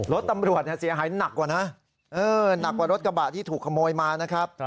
รถตำรวจเสียหายหนักกว่านะหนักกว่ารถกระบะที่ถูกขโมยมานะครับ